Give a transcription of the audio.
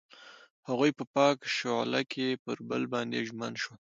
هغوی په پاک شعله کې پر بل باندې ژمن شول.